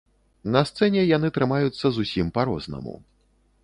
На сцэне яны трымаюцца зусім па-рознаму.